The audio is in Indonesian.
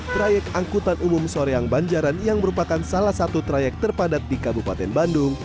trayek angkutan umum soreang banjaran yang merupakan salah satu trayek terpadat di kabupaten bandung